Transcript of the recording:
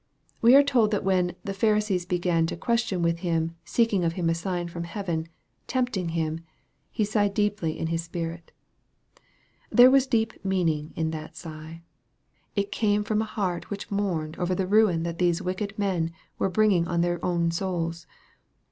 We are told that when " the Pharisees began to question with Him. Becking of Him a sign from heaven, tempting Him, He sighed deeply in His spirit/' There was a deep meaning in that sigh \ It came from a heart which mourned over the ruin that these wicked men were bringing on their own souls.